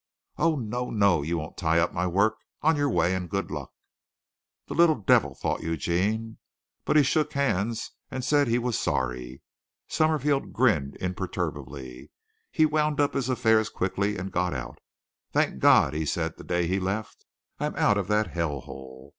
"Oh, no, no! You won't tie up my work. On your way, and good luck!" "The little devil!" thought Eugene; but he shook hands and said he was sorry. Summerfield grinned imperturbably. He wound up his affairs quickly and got out. "Thank God," he said the day he left, "I'm out of that hell hole!"